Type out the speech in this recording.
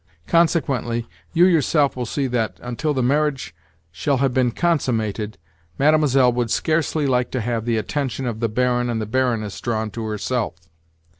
Consequently you yourself will see that, until the marriage shall have been consummated, Mlle. would scarcely like to have the attention of the Baron and the Baroness drawn to herself.